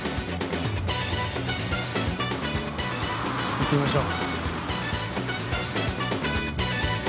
行ってみましょう。